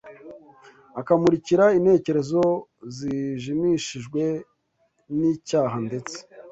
akamurikira intekerezo zijimishijwe n’icyaha ndetse